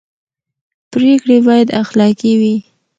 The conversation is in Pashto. پرېکړې باید اخلاقي وي